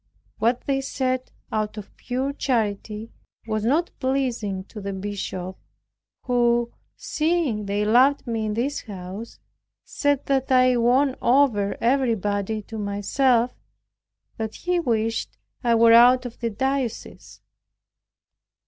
What they said out of pure charity was not pleasing to the Bishop, who, seeing they loved me in this house, said, that I won over everybody to myself and that he wished I were out of the diocese.